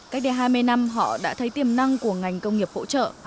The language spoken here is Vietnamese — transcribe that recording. cách đây hai mươi năm họ đã thấy tiềm năng của ngành công nghiệp hỗ trợ